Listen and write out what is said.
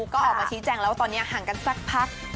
ก็ออกมาชี้แจงแล้วว่าตอนนี้ห่างกันสักพัก